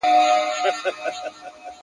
ستا بې روخۍ ته به شعرونه ليکم.